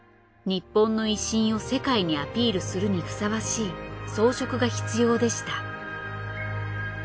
日本の威信を世界にアピールするにふさわしい装飾が必要でした。